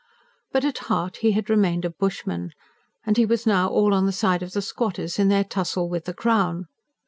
But at heart he had remained a bushman; and he was now all on the side of the squatters in their tussle with the Crown.